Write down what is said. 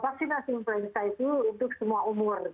vaksinasi influenza itu untuk semua umur